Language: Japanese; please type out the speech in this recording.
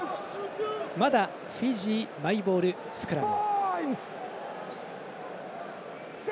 まだフィジーマイボールスクラム。